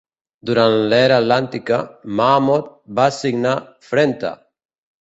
Durant l'era atlàntica, Mammoth va signar Frente!.